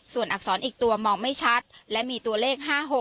ส่วนอักษรอีกตัวมองไม่ชัดและมีตัวเลข๕๖